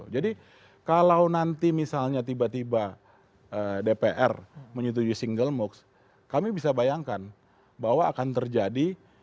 jadi kalau nanti misalnya tiba tiba dpr menyetujui single moocs kami bisa bayangkan bahwa akan terjadi